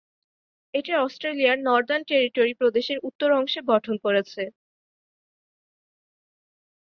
এটি অস্ট্রেলিয়ার Northern Territory প্রদেশের উত্তর অংশ গঠন করেছে।